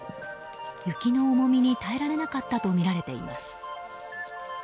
雪の重みに耐えられなかったとみられています。